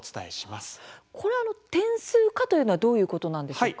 これ点数化というのはどういうことなんでしょうか。